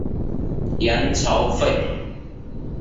元朝废。